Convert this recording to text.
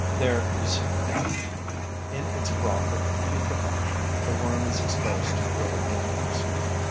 There you see it: in its broth of putrefaction, the worm is exposed to grave dangers.